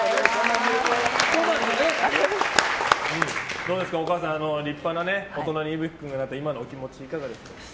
どうですか、お母さん立派な大人にｉｖｕ鬼君がなった今のお気持ちはいかがですか。